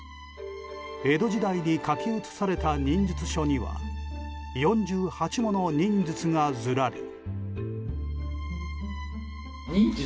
江戸時代に書き写された忍術書には４８もの忍術がずらり。